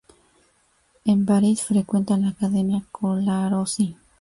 En París frecuenta la academia Colarossi.